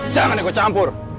jangan nih kau campur